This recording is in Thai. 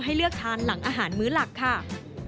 เลือกทานหลังอาหารมื้อหลักค่ะ